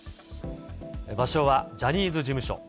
場所はジャニーズ事務所。